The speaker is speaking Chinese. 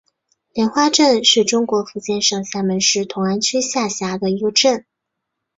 莲花镇是中国福建省厦门市同安区下辖的一个镇。